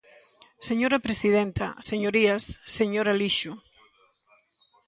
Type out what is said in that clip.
Señora presidenta, señorías, señor Alixo.